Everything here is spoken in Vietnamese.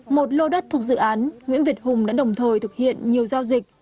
một lô đất thuộc dự án nguyễn việt hùng đã đồng thời thực hiện nhiều giao dịch